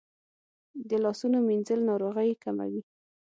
د لاسونو مینځل ناروغۍ کموي.